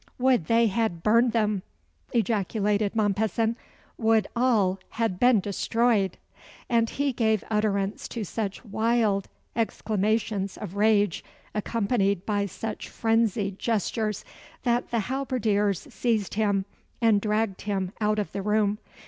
"Would they had burned them!" ejaculated Mompesson. "Would all had been destroyed!" And he gave utterance to such wild exclamations of rage, accompanied by such frenzied gestures, that the halberdiers seized him, and dragged him out of the room.